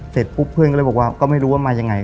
เสร็จปุ๊บเพื่อนก็เลยบอกว่าก็ไม่รู้ว่ามายังไง